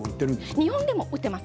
日本でも売っています。